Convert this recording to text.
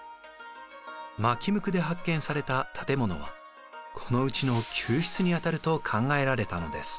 纏向で発見された建物はこのうちの宮室にあたると考えられたのです。